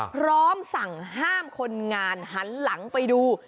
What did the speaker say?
พร้อมสั่งห้ามคนงานหันหลังไปดู